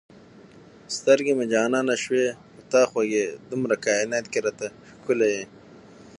سترګې مې جانانه شوې په تا خوږې دومره کاینات کې را ته ښکلی یې